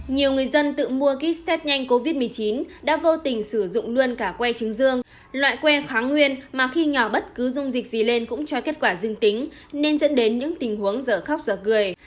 nhiều người dân tự mua kit xét nhanh covid một mươi chín đã vô tình sử dụng luôn cả que trứng dương loại que kháng nguyên mà khi nhỏ bất cứ dung dịch gì lên cũng cho kết quả dương tính nên dẫn đến những tình huống giờ khóc giờ cười